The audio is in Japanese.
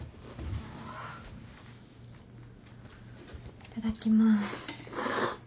いただきます。